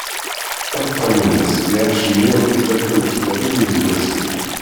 Takfarinas iɛac meyya u tlata u tlatin n iseggasen.